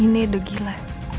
ini udah gila